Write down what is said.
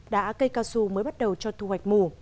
đã cây cao su mới bắt đầu cho thu hoạch mù